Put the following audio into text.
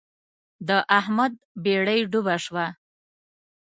د احمد بېړۍ ډوبه شوه.